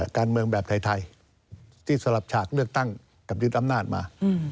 การเมืองแบบไทยที่สลับฉากเลือกตั้งกับยึดอำนาจมา